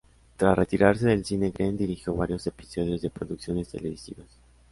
Tras retirarse del cine, Green dirigió varios episodios de producciones televisivas.